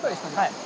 はい。